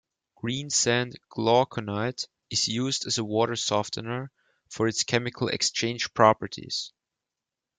Greensand glauconite is used as a water softener for its chemical-exchange properties.